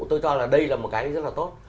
tôi cho là đây là một cái rất là tốt